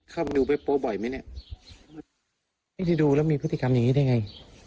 เข้าไปดูเว็บโป๊บ่อยไหมเนี่ยไม่ได้ดูแล้วมีพฤติกรรมอย่างนี้ได้ไง